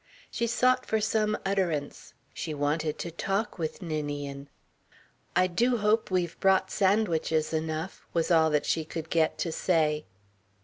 She sought for some utterance. She wanted to talk with Ninian. "I do hope we've brought sandwiches enough," was all that she could get to say.